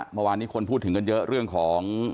เมื่อวานนี้คนพูดถึงกันเยอะเรื่องของ